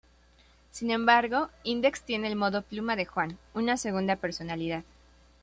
Sin embargo, Index tiene el modo Pluma de Juan, una segunda personalidad.